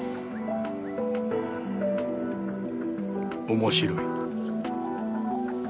面白い。